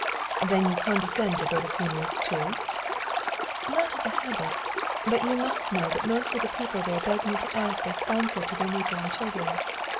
"Then you condescend to go to funerals too?" "Not as a habit. But you must know that most of the people there beg me to act as sponsor to their new born children.